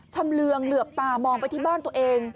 ชำเรืองเหลือบตามองไปที่บ้านตัวเอง